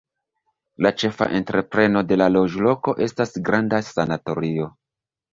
La ĉefa entrepreno de la loĝloko estas granda sanatorio.